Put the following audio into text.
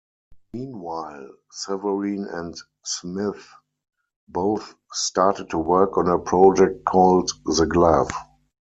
Meanwhile, Severin and Smith both started to work on a project called the Glove.